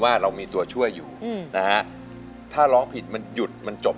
ว่าเรามีตัวช่วยอยู่นะฮะถ้าร้องผิดมันหยุดมันจบ